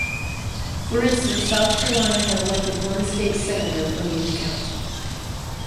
For instance, South Carolina had elected one state senator from each county.